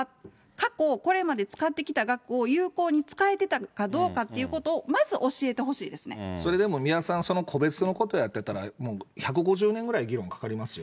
過去これまで使ってきた額を有効に使えてたかどうかっていうことそれでも三輪さん、その個別のことやってたら、もう１５０年ぐらい議論かかりますよ。